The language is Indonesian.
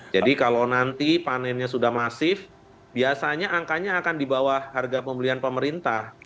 jadi kalau nanti panennya sudah masif biasanya angkanya akan di bawah harga pembelian pemerintah